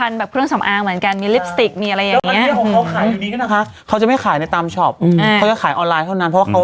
ช้าก็มีอะไรนะมีริตภัณฑ์แบบพื้นสำอางเหมือนกัน